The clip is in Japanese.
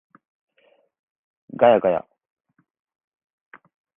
ガヤガヤ